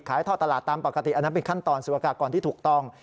ท่อตลาดตามปกติอันนั้นเป็นขั้นตอนสุรกากรที่ถูกต้อง